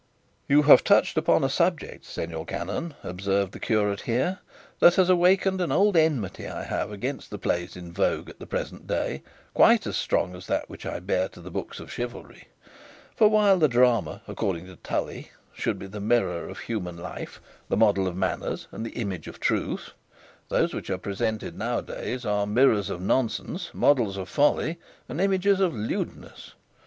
"You have touched upon a subject, señor canon," observed the curate here, "that has awakened an old enmity I have against the plays in vogue at the present day, quite as strong as that which I bear to the books of chivalry; for while the drama, according to Tully, should be the mirror of human life, the model of manners, and the image of the truth, those which are presented now a days are mirrors of nonsense, models of folly, and images of lewdness.